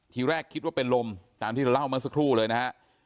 ทีแรกคิดว่าเป็นลมตามที่เราเล่าเมื่อสักครู่เลยนะฮะ